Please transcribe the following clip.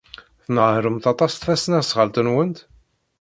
Tnehhṛemt aṭas tasnasɣalt-nwent?